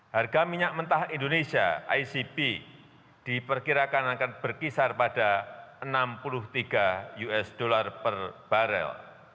harga minyak mentah indonesia icp diperkirakan akan berkisar pada enam puluh tiga usd per barel